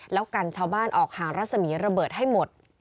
แล้วกันชาวบ้านออกห่างรัศมีระเบิดให้หมด